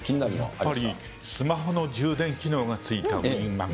やっぱりスマホの充電機能が付いたウィマグ。